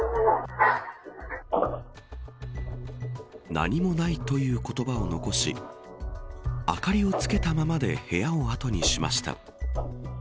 何もないという言葉を残し明かりをつけたままで部屋を後にしました。